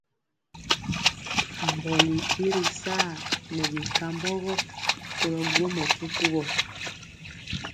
Mbɔli i ri saa nɛ binkambɔgɔ kolɔ gwomɔ kukuwɔ.